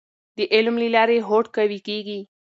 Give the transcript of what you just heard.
د علم له لارې هوډ قوي کیږي.